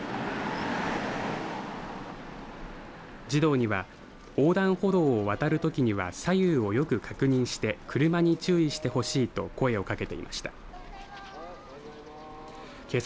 児童には横断歩道を渡るときには左右をよく確認して車に注意してほしいと声をかけていました。